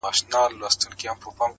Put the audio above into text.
• نن داخبره درلېږمه تاته.